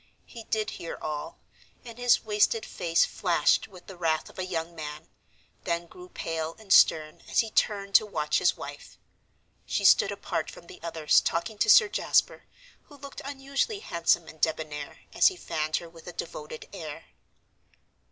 He did hear all, and his wasted face flashed with the wrath of a young man, then grew pale and stern as he turned to watch his wife. She stood apart from the others talking to Sir Jasper, who looked unusually handsome and debonair as he fanned her with a devoted air.